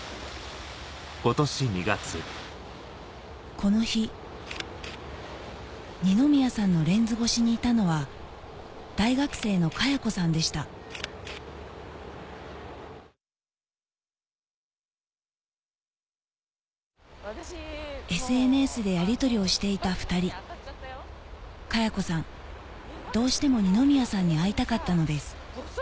この日にのみやさんのレンズ越しにいたのは大学生のかや子さんでしたＳＮＳでやりとりをしていた２人かや子さんどうしてもにのみやさんに会いたかったのです